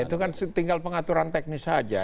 itu kan tinggal pengaturan teknis saja